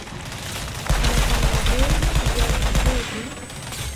A Massamagrell hi ha estació de tren?